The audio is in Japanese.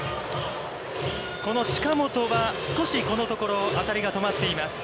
この近本は少し、このところ、当たりが止まっています。